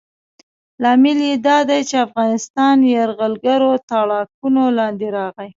لامل یې دا دی چې افغانستان یرغلګرو تاړاکونو لاندې راغلی.